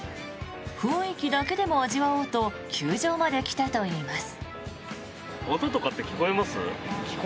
雰囲気だけでも味わおうと球場まで来たといいます。